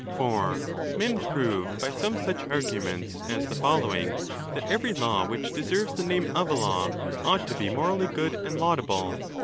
For men prove by some such arguments as the following, that every law which deserves the name of a law, ought to be morally good and laudable.